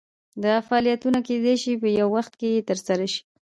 دا فعالیتونه کیدای شي په یو وخت ترسره شي.